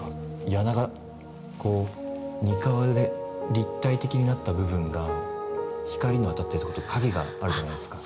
簗がニカワで立体的になった部分が光の当たってる所と影があるじゃないですか。